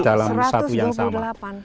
dalam satu yang sama